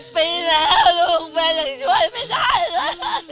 ปีแล้วลูกแม่ยังช่วยไม่ได้เลย